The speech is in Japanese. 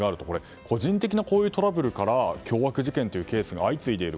個人的なトラブルから凶悪事件というケースが相次いでいる。